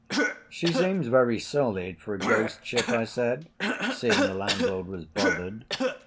"She seems very solid for a ghost ship," I said, seeing the landlord was bothered.